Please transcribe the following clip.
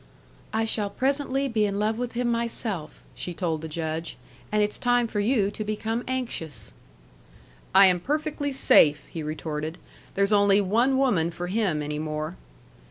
"I shall presently be in love with him myself," she told the Judge. "And it's time for you to become anxious." "I am perfectly safe," he retorted. "There's only one woman for him any more."